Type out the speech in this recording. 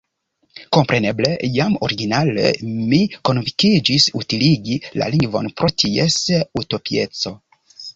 Kompreneble, jam originale mi konvinkiĝis utiligi la lingvon pro ties utopieco.